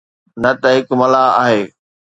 نه ته هڪ ملاح آهي.